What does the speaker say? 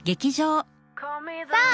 さあ